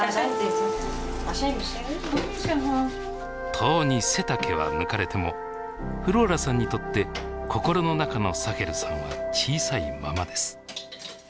とうに背丈は抜かれてもフローラさんにとって心の中のサヘルさんは小さいままです。